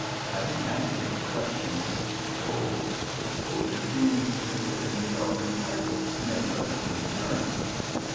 Having answered the questions of the patrol, the soldier seemed to consider himself entitled to make others in return.